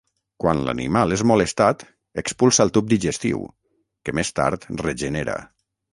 Quan l'animal és molestat expulsa el tub digestiu, que més tard regenera.